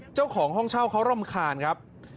เจ้าของห้องเช่าเขารำคาญครับ